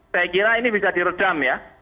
saya kira ini bisa diredam ya